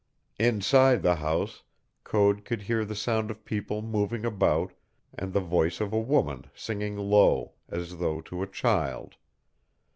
Inside the house, Code could hear the sound of people moving about and the voice of a woman singing low, as though to a child.